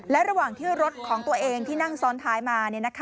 และระหว่างที่รถของตัวเองที่นั่งซ้อนท้ายมา